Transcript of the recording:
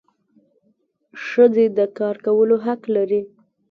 ښځي د کار کولو حق لري.